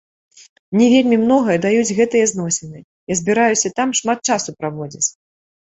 Мне вельмі многае даюць гэтыя зносіны, я збіраюся там шмат часу праводзіць.